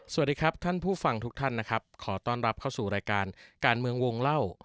สวัสดีครับท่านผู้ฟังทุกท่านนะครับขอต้อนรับเข้าสู่รายการการเมืองวงเล่า